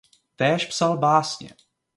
Též psal básně.